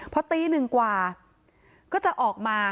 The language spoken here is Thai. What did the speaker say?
พอตีหนึ่งกว่าก็จะออกมา